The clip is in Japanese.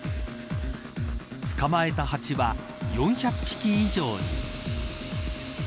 捕まえたハチは４００匹以上に。